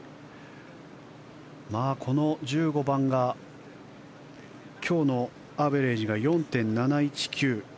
この１５番が今日のアベレージが４．７１９。